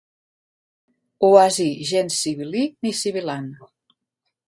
Oasi gens sibil·lí ni sibil·lant.